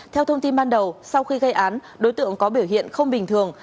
theo thông tin ban đầu sau khi gây án đối tượng có biểu hiện không bình thường